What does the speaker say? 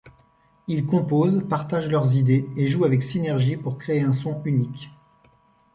Ils composent, partagent leurs idées et jouent avec synergie pour créer un son unique.